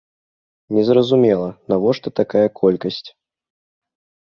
Незразумела, навошта такая колькасць.